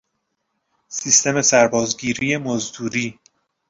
سیستم سرباز گیری مزدوری